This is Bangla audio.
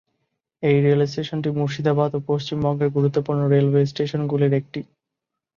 এই রেল স্টেশনটি মুর্শিদাবাদ ও পশ্চিমবঙ্গের গুরুত্বপূর্ণ রেলওয়ে স্টেশনগুলির একটি।